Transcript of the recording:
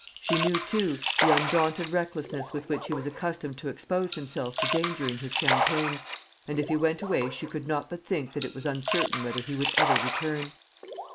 She knew, too, the undaunted recklessness with which he was accustomed to expose himself to danger in his campaigns, and if he went away she could not but think that it was uncertain whether he would ever return.